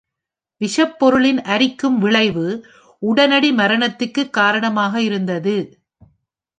விஷப்பொருளின் அரிக்கும் விளைவு உடனடி மரணத்திற்கு காரணமாக இருந்தது.